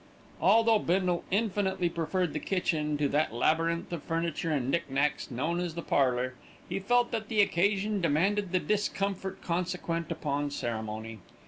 Although Bindle infinitely preferred the kitchen to that labyrinth of furniture and knick knacks known as the parlour, he felt that the occasion demanded the discomfort consequent upon ceremony.